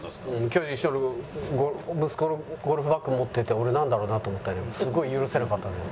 巨人師匠の息子のゴルフバッグ持ってて俺なんだろうな？と思ったけどすごい許せなかったのよ。